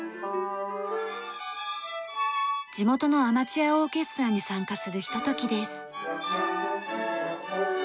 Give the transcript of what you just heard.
地元のアマチュアオーケストラに参加するひとときです。